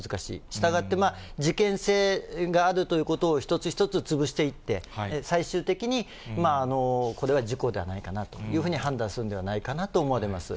したがって、事件性があるということを一つ一つ潰していって、最終的にこれは事故ではないかなというふうに、判断するんではないかと思われます。